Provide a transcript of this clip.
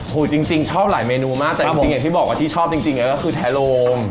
โหจริงจริงชอบหลายเมนูมากครับผมแต่จริงจริงอย่างที่บอกว่าที่ชอบจริงจริงเลยก็คือแท้โรง